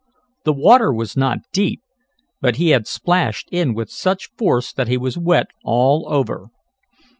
The water was not deep, but he had splashed in with such force that he was wet all over.